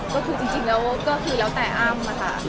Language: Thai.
ก็คือจริงแล้วก็คือแล้วแต่อ้ำค่ะ